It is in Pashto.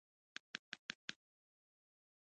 یو کتاب په انګلیسي او بل په هسپانوي ژبه و